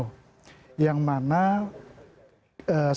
perusahaannya milik pak sandiaga uno